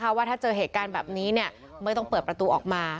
ว่าถ้าเจอเหตุการณ์แบบนี้ไม่ต้องเปิดประตูออกมา